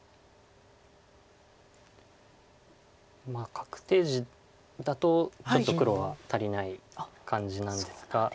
確定地だとちょっと黒は足りない感じなんですが。